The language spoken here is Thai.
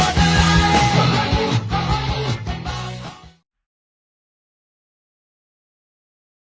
เวลาที่มันได้รู้จักกันแล้วเวลาที่ไม่รู้จักกัน